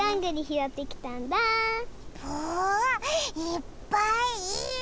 いっぱいいっぱい！